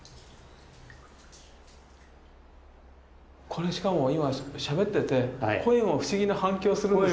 これしかも今しゃべってて声も不思議な反響するんですね。